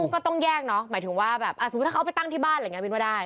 ก็ต้องแยกเนอะหมายถึงว่าแบบสมมุติถ้าเขาไปตั้งที่บ้านอะไรอย่างนี้บินว่าได้